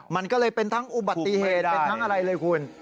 มันก็เลยเป็นทั้งอุบัติเหตุเป็นทั้งอะไรเลยคุณ